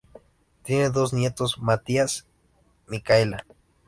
Tiene dos nietos, Mathías, Micaela.